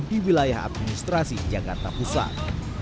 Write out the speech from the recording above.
di wilayah administrasi jakarta pusat